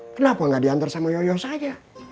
kenapa ga diantre sama yoyo saja